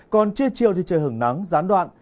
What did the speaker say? còn chiều thì trời hứng nắng gián đoạn